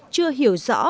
chưa hiểu rõ